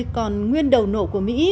còn nguyên đầu nổ của mỹ